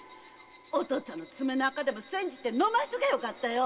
〔お父っつぁんの爪の垢でも煎じて飲ませときゃよかったよ〕